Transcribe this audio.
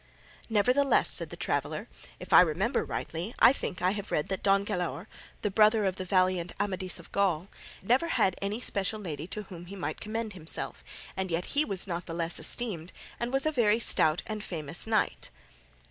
"Nevertheless," said the traveller, "if I remember rightly, I think I have read that Don Galaor, the brother of the valiant Amadis of Gaul, never had any special lady to whom he might commend himself, and yet he was not the less esteemed, and was a very stout and famous knight."